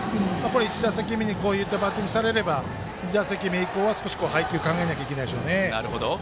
１打席目にこういったバッティングされれば２打席目以降は、少し配球考えないといけないでしょうね。